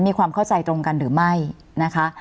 มีความเข้าใจตรงกันหรือไม่นะคะ